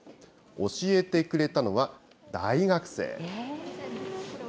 教えてくれたのは大学生。